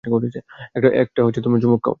একটা চুমুক খাউ।